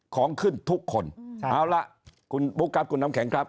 ของขึ้นทุกคนเอาละคุณบุ๊คครับคุณน้ำแข็งครับ